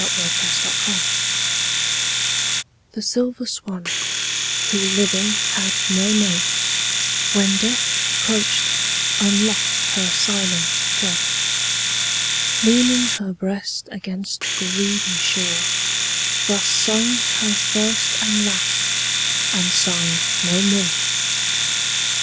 6 Autoplay The silver swan, who living had no note, When death approach'd, unlock'd her silent throat; Leaning her breast against the reedy shore, Thus sung her first and last, and sung no more.